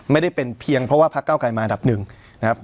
ไม่ได้เป็นเพียงเพราะว่าพักเก้าไกลมาอันดับหนึ่งนะครับ